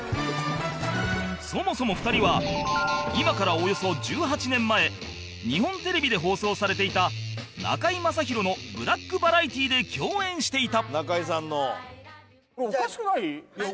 そもそも２人は今からおよそ１８年前日本テレビで放送されていた『中井正広のブラックバラエティ』で共演していた